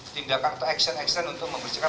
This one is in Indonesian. tindakan atau action action untuk membersihkan